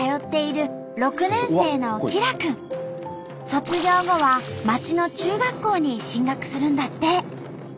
卒業後は町の中学校に進学するんだって。